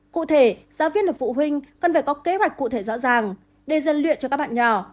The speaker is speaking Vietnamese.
cụ thể giáo viên và phụ huynh cần phải có kế hoạch cụ thể rõ ràng để gian luyện cho các bạn nhỏ